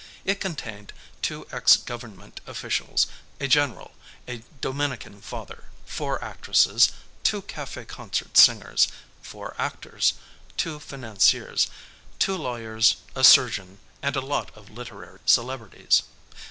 It contained two ex government officials, a general, a Dominican father, four actresses, two café concert singers, four actors, two financiers, two lawyers, a surgeon and a lot of literary celebrities.